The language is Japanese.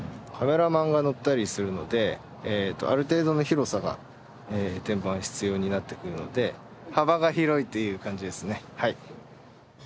カメラマンが乗ったりするのである程度の広さが天板必要になってくるので幅が広いという感じですね。